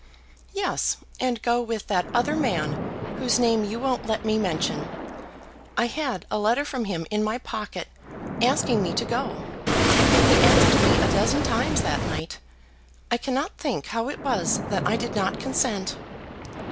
"Yes, and go with that other man whose name you won't let me mention. I had a letter from him in my pocket asking me to go. He asked me a dozen times that night. I cannot think how it was that I did not consent."